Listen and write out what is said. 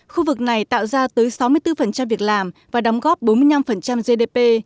khu vực này tạo ra tới sáu mươi bốn việc làm và đóng góp bốn mươi năm gdp